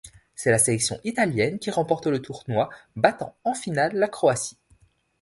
C'est la sélection italienne qui remporte le tournoi, battant en finale la Croatie.